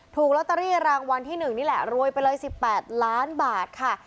ถูกลอตเตอรี่รางวัลที่๑นี่แหละรวยไปเลย๑๘ล้านบาทค่ะ